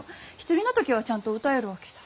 １人の時はちゃんと歌えるわけさ。